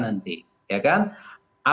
apa sesungguhnya yang direncanakan